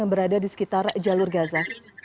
yang berada di sekitar jalur gaza